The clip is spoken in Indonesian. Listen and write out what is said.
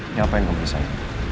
ngapain kamu disana